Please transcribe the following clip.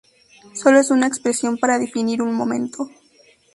solo es una expresión para definir un momento